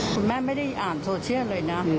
คุณแม่ไม่ได้อ่านโซเชียลเลยนะ